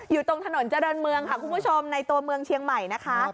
อยู่ตรงถนนเจริญเมืองค่ะคุณผู้ชมในตัวเมืองเชียงใหม่นะคะ